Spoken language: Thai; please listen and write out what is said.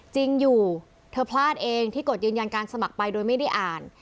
จริงอยู่เธอพลาดเองที่กดยืนยันการสมัครไปโดยไม่ได้อ่าน